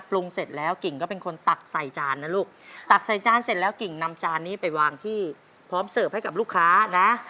เสร็จแล้วกิ่งก็เป็นคนตักใส่จานนะลูกตักใส่จานเสร็จแล้วกิ่งนำจานนี้ไปวางที่พร้อมเสิร์ฟให้กับลูกค้านะ